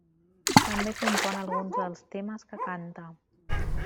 També compon alguns dels temes que canta.